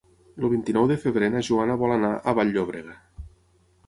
El vint-i-nou de febrer na Joana vol anar a Vall-llobrega.